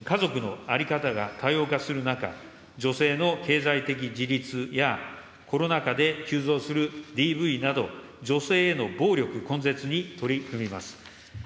人生や家族の在り方が多様化する中、女性の経済的自立や、コロナ禍で急増するＤＶなど、女性への暴力根絶に取り組みます。